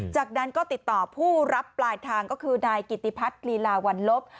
จากนั้นก็ติดต่อผู้รับปลายทางก็คือนายกิติพัฒน์ลีลาวันลบ